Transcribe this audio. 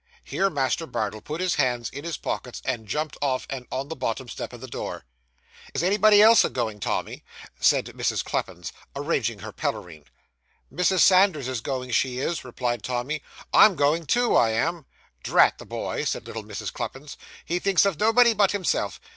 Here Master Bardell put his hands in his pockets, and jumped off and on the bottom step of the door. 'Is anybody else a goin', Tommy?' said Mrs. Cluppins, arranging her pelerine. 'Mrs. Sanders is going, she is,' replied Tommy; 'I'm going too, I am.' 'Drat the boy,' said little Mrs. Cluppins. 'He thinks of nobody but himself.